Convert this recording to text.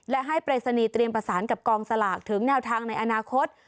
และให้ปรายศนีย์เตรียมประสานกับกองสลากถึงแนวทางในอนาคต